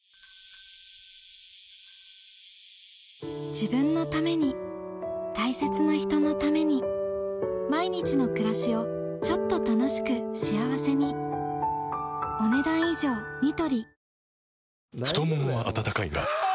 自分のために大切な人のために毎日の暮らしをちょっと楽しく幸せに太ももは温かいがあ！